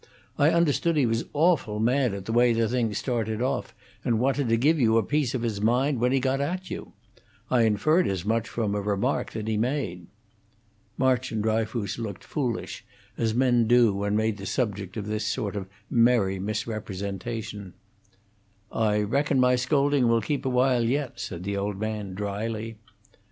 I understood he was awful mad at the way the thing started off, and wanted to give you a piece of his mind, when he got at you. I inferred as much from a remark that he made." March and Dryfoos looked foolish, as men do when made the subject of this sort of merry misrepresentation. "I reckon my scolding will keep awhile yet," said the old man, dryly.